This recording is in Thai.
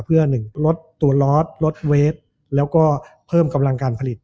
เพื่อหนึ่งลดตัวลอสลดเวทแล้วก็เพิ่มกำลังการผลิต